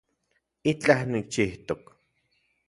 Itlaj nikchijtok